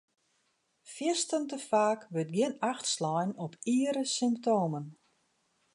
Fierstente faak wurdt gjin acht slein op iere symptomen.